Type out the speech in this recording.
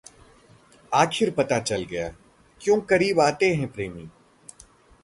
आखिर पता चल गया, क्यों करीब आते हैं प्रेमी